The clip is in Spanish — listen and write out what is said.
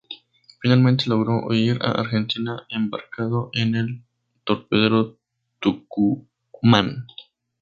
Finalmente logró huir a Argentina embarcado en el torpedero Tucumán.